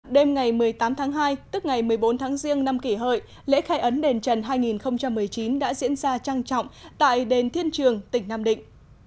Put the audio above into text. đêm ngày một mươi tám tháng hai tức ngày một mươi bốn tháng riêng năm kỷ hợi lễ khai ấn đền trần hai nghìn một mươi chín đã diễn ra trang trọng tại đền thiên trường tỉnh nam định